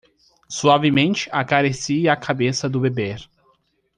Suavemente acaricie a cabeça do bebê